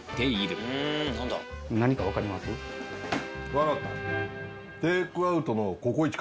分かった！